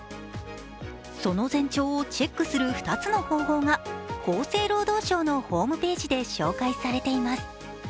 その前兆をチェックする２つの方法が厚生労働省のホームページで紹介されています。